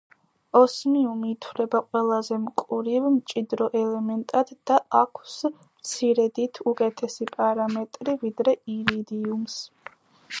ოსმიუმი ითვლება ყველაზე მკვრივ, მჭიდრო ელემენტად, და აქვს მცირედით უკეთესი პარამეტრი ვიდრე ირიდიუმს.